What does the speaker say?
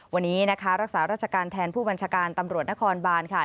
วันนี้นะคะรักษาราชการแทนผู้บัญชาการตำรวจนครบานค่ะ